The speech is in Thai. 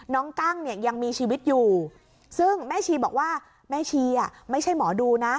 กั้งเนี่ยยังมีชีวิตอยู่ซึ่งแม่ชีบอกว่าแม่ชีไม่ใช่หมอดูนะ